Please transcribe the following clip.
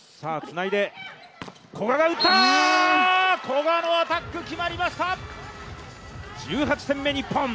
古賀のアタック決まりました！